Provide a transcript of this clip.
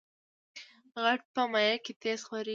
غږ په مایع کې تیز خپرېږي.